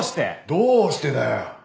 どうしてだよ！